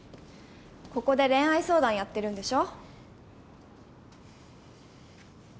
ここで恋愛相談やってるんでしょ？